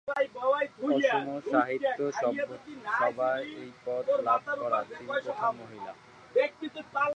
অসম সাহিত্য সভায় এই পদ লাভ করা তিনি প্রথম মহিলা।